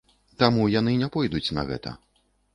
Таму яны не пойдуць на гэта.